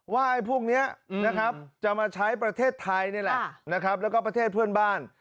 ว่าพวกนี้จะมาใช้ประเทศไทยและประเทศเพื่อนบ้าน